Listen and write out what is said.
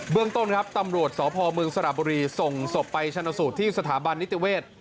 เรื่องต้นครับตำรวจสพเมืองสระบุรีส่งศพไปชนะสูตรที่สถาบันนิติเวศ